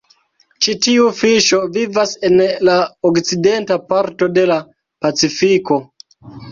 Ĉi tiu fiŝo vivas en la okcidenta parto de la Pacifiko.